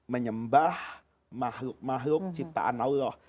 menyembah makhluk makhluk ciptaan allah